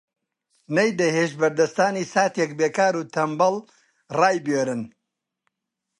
نەیدەهێشت بەردەستانی ساتێک بێکار و تەنبەڵ ڕایبوێرن